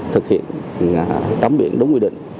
thực hiện tắm biển đúng quy định